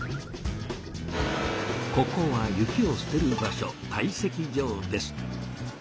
ここは雪を捨てる場所「堆積場」です。